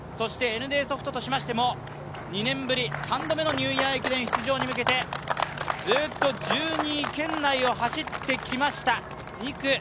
ＮＤソフトとしましても、２年ぶり３度目のニューイヤー駅伝出場に向けて、ずっと１２位圏内を走ってきました。